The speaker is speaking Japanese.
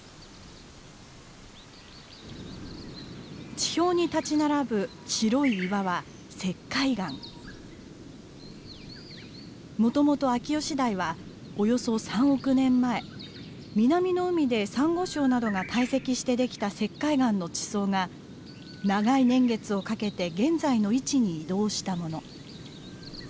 地表に立ち並ぶ白い岩はもともと秋吉台はおよそ３億年前南の海でサンゴ礁などが堆積してできた石灰岩の地層が長い年月をかけて現在の位置に移動したもの。